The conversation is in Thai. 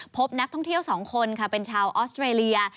พบนักท่องเที่ยว๒คนค่ะเป็นชาวออสเตรเลีย